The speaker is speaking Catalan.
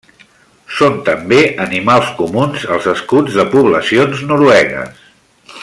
Són també animals comuns als escuts de poblacions noruegues.